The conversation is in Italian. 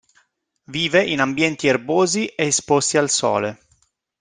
Vive in ambienti erbosi e esposti al sole.